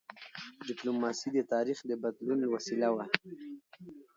ډيپلوماسي د تاریخ د بدلون وسیله وه.